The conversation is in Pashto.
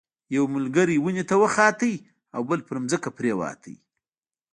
یو ملګری ونې ته وختلو او بل په ځمکه پریوت.